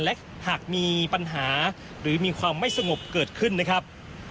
และหากมีปัญหาหรือมีความไม่สงบเกิดขึ้นนะครับ